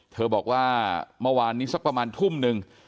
เธอบอกว่าเมื่อวานนี้สักประมาณทุ่มหนึ่ง